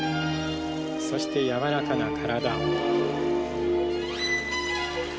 そして柔らかな体。